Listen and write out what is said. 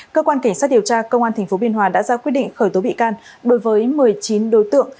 cơ quan cảnh sát điều tra công an tp biên hòa đã ra quyết định khởi tố bị can đối với một mươi chín đối tượng